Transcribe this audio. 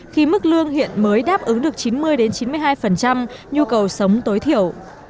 khi mức lương hiện mới đáp ứng được chín mươi chín mươi hai nhu cầu sống tối thiểu